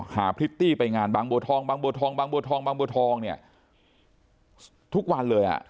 หาพริตตี้ไปงานบางบัวทองเนี่ยทุกวันเลยครับ